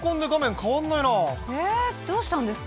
えー、どうしたんですか？